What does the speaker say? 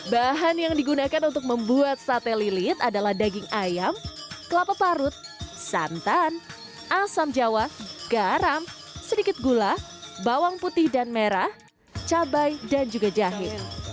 bahan yang digunakan untuk membuat sate lilit adalah daging ayam kelapa parut santan asam jawa garam sedikit gula bawang putih dan merah cabai dan juga jahe